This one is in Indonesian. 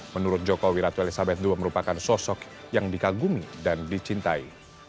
menurut jokowi ratu elizabeth ii merupakan sosok yang dikagumi dan dicintai